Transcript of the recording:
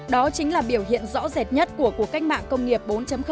đó chính là biểu hiện rõ rệt nhất của cuộc cách mạng công nghiệp bốn